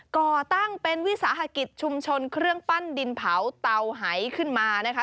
ก่อตั้งเป็นวิสาหกิจชุมชนเครื่องปั้นดินเผาเตาหายขึ้นมานะคะ